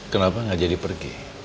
kenapa gak jadi pergi